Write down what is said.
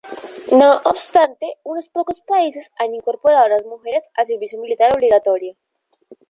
No obstante, unos pocos países han incorporado a las mujeres al servicio militar obligatorio.